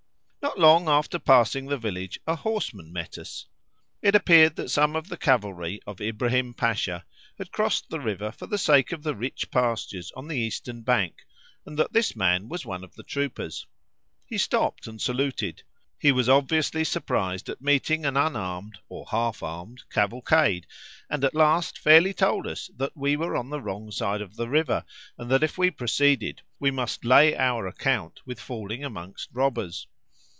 Not long after passing the village a horseman met us. It appeared that some of the cavalry of Ibrahim Pasha had crossed the river for the sake of the rich pastures on the eastern bank, and that this man was one of the troopers. He stopped and saluted; he was obviously surprised at meeting an unarmed, or half armed, cavalcade, and at last fairly told us that we were on the wrong side of the river, and that if we proceeded we must lay our account with falling amongst robbers.